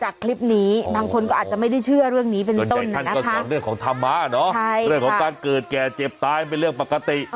เกิดแก่เจ็บตายไม่เรื่องปกติ